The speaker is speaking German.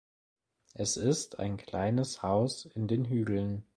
Es ist ein kleines Haus in den Hügeln.